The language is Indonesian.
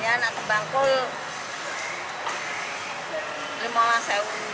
banyak banget naik banyak